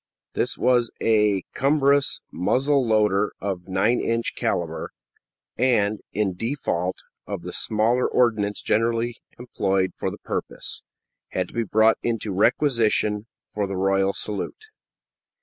This was a cumbrous muzzle loader of 9 inch caliber, and, in default of the smaller ordnance generally employed for the purpose, had to be brought into requisition for the royal salute.